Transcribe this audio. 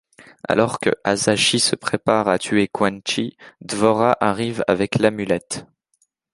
Alors que Hasashi se prépare à tuer Quan Chi, D'Vorah arrive avec l'amulette.